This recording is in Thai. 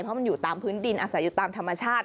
เพราะมันอยู่ตามพื้นดินอาศัยอยู่ตามธรรมชาติ